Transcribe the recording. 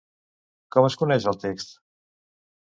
Com es coneix el text?